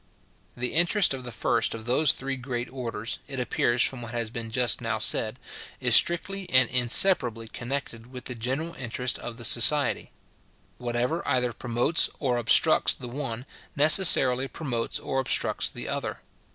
The interest of the first of those three great orders, it appears from what has been just now said, is strictly and inseparably connected with the general interest of the society. Whatever either promotes or obstructs the one, necessarily promotes or obstructs the other.